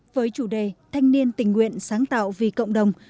với chủ đề thanh niên tình nguyện sáng tạo vì cộng đồng